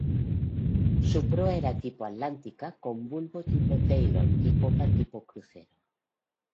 Su proa era tipo atlántica con bulbo tipo Taylor y popa tipo crucero.